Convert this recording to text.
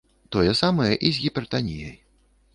Тое самае і з гіпертаніяй.